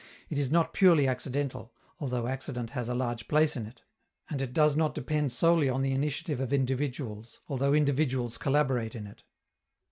It is not purely accidental, although accident has a large place in it; and it does not depend solely on the initiative of individuals, although individuals collaborate in it.